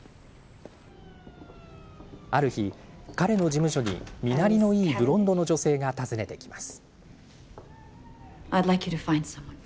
ある日、彼の事務所に身なりのいいブロンドの女性が訪ねてきます。